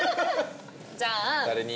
じゃあ誰に？